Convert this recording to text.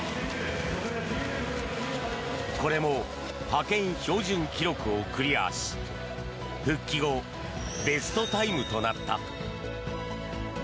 これも派遣標準記録をクリアし復帰後ベストタイムとなった。